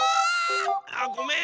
あごめん。